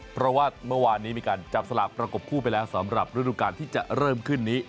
เพราะว่าเมื่อวานนี้มีการจับสลากประกบคู่ไปแล้วสำหรับฤดูการที่จะเริ่มขึ้นนี้